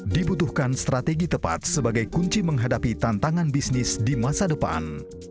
dibutuhkan strategi tepat sebagai kunci menghadapi tantangan bisnis di masa depan